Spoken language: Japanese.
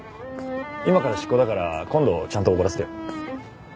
今から執行だから今度ちゃんとおごらせてよ。